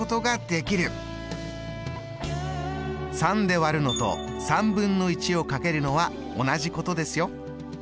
３で割るのとをかけるのは同じことですよ。